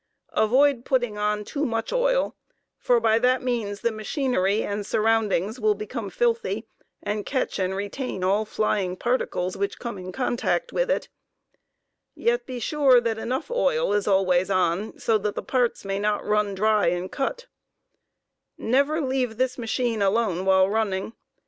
Avoid patting on too much oil, for by that means the machinery and surroundings will become filthy , and catch and retain all flying particles which come in contact with it; yet be snre that enough oil is always on, so that the parts may not run dry and cut Never leave this machine alone while running.